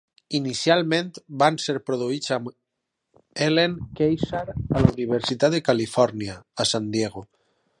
Inicialment van ser produïts amb Helene Keyssar a la Universitat de Califòrnia, a San Diego.